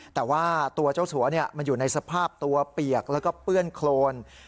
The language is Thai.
แต่ว่าตัวเจ้าสัวมันอยู่ในสภาพตัวเปียกแล้วก็เปื้อนโครน